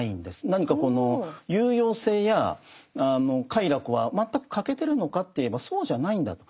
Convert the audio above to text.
何かこの有用性や快楽は全く欠けてるのかといえばそうじゃないんだと。